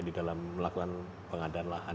di dalam melakukan pengadaan lahan